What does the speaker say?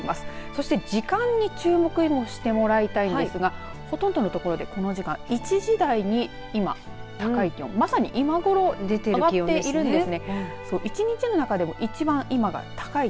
そして時間に注目してもらいたいんですがほとんどの所でこの時間１時台に今、高い気温まさに今ごろ出ている気温です。